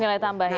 nilai tambah ya